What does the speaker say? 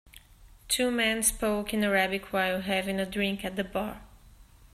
Two men spoke in Arabic while having a drink at the bar.